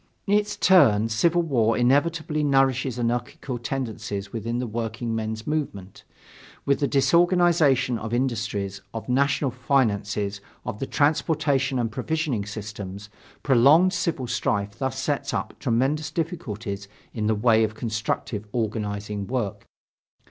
In its turn, civil war inevitably nourishes anarchical tendencies within the workingmen's movement. With the disorganization of industries, of national finances, of the transportation and provisioning systems, prolonged civil strife thus sets up tremendous difficulties in the way of constructive organizing work.